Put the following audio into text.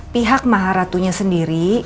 pihak maharatunya sendiri